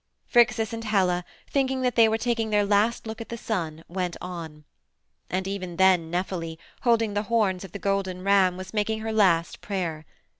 "Phrixus and Helle, thinking they were taking their last look at the sun, went on. And even then Nephele, holding the horns of the golden ram, was making her last prayer.